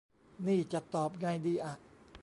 นี่จะตอบไงดีอะ